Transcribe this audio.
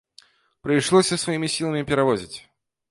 Прыйшлося сваімі сіламі перавозіць.